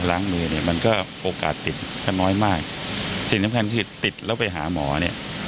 ล้างมือเนี่ยมันก็โอกาสติดก็น้อยมากสิ่งสำคัญที่ติดแล้วไปหาหมอเนี่ย